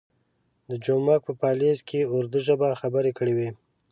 د جومک په پالیز کې اردو ژبه خبرې کړې وې.